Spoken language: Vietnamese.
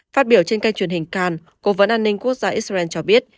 phát biểu trên kênh truyền hình can cố vấn an ninh quốc gia israel cho biết